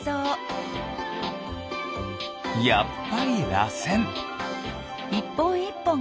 やっぱりらせん。